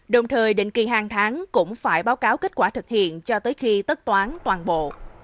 đồng thời định kỳ hàng tháng cũng phải báo cáo kết quả thực hiện cho tới khi tất toán toàn bộ